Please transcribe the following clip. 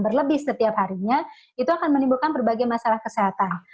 berlebih setiap harinya itu akan menimbulkan berbagai masalah kesehatan